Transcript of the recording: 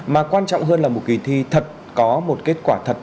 mà quan trọng hơn là một kỳ thi thật có một kết quả thật